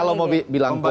kalau mau bilang pun